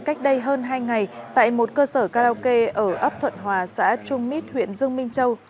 cách đây hơn hai ngày tại một cơ sở karaoke ở ấp thuận hòa xã trung mít huyện dương minh châu